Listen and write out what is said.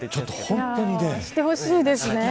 本当にしてほしいですね。